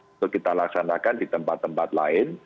untuk kita laksanakan di tempat tempat lain